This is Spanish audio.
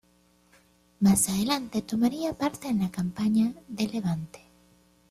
Más adelante tomaría parte en la campaña de Levante.